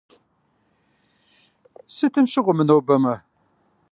Сытым щыгъуэ, мынобэмэ?